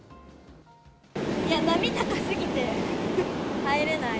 波高すぎて入れない。